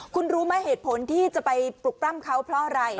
คุณรู้ไหมเหตุผลที่จะไปปลุกปล้ำเขาเพราะอะไร